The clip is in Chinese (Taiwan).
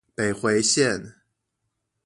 北迴線